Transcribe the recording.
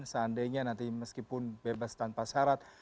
seandainya nanti meskipun bebas tanpa syarat